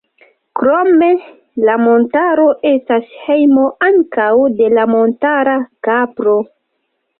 Krome, la montaro estas hejmo ankaŭ de la montara kapro.